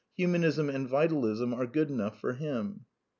Humanism and Vitalism are good enough for him.